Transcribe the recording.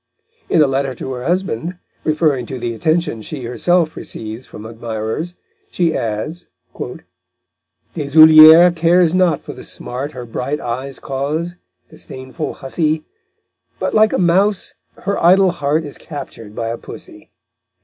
In a letter to her husband, referring to the attentions she herself receives from admirers, she adds: _Deshoulières cares not for the smart Her bright eyes cause, disdainful hussy, But, like a mouse, her idle heart Is captured by a pussy_.